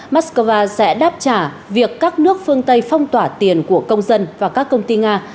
moscow sẽ đáp trả việc các nước phương tây phong tỏa tiền của công dân và các công ty nga